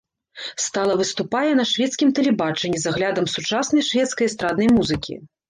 Стала выступае на шведскім тэлебачанні з аглядам сучаснай шведскай эстраднай музыкі.